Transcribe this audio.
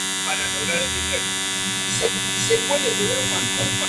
Acompañado por su mujer, Josephine, visitó Polinesia, Nueva Zelanda, Australia y Nueva Guinea.